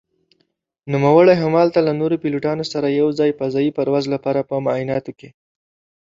نوموړي هملته له نورو پيلوټانو سره يو ځاى فضايي پرواز لپاره په معايناتو کې